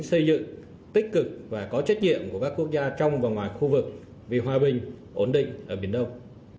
xây dựng tích cực và có trách nhiệm của các quốc gia trong và ngoài khu vực vì hòa bình ổn định ở biển đông